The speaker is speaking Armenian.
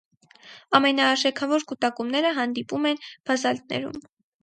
Ամենաարժեքավոր կուտակումները հանդիպում են բազալտներում։